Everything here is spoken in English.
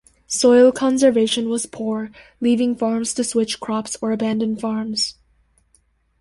Soil conservation was poor, leaving farms to switch crops or abandon farms.